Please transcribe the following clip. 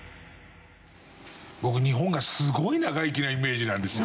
僕日本がすごい長生きなイメージなんですよ。